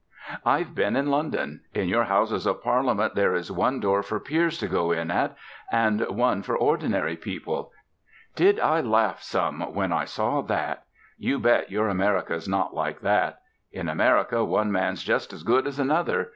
I've been in London. In your Houses of Parliament there is one door for peers to go in at, and one for ordinary people. Did I laugh some when I saw that? You bet your America's not like that. In America one man's just as good as another.